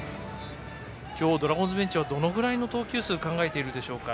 今日、ドラゴンズベンチはどれぐらいの投球数を考えているでしょうか。